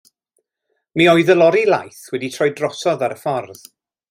Mi oedd y lori laeth wedi troi drosodd ar y ffordd.